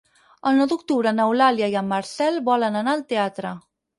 El nou d'octubre n'Eulàlia i en Marcel volen anar al teatre.